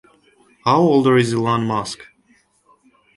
How older is Elon Musk?